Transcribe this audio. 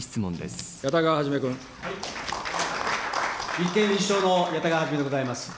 立憲民主党の谷田川元でございます。